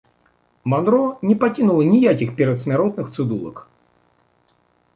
Манро не пакінула ніякіх перадсмяротных цыдулак.